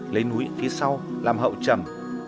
lấy núi phía sau làm hậu trầm